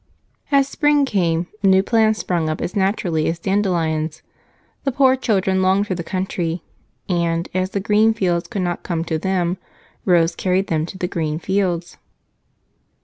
As spring came new plans sprang up as naturally as dandelions. The poor children longed for the country; and, as the green fields could not come to them, Rose carried them to the green fields.